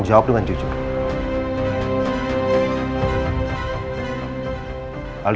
berapa beginningnya teman berhubung